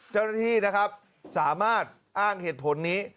เจ้าหน้าที่นะครับสามารถอ้างเหตุผลนี้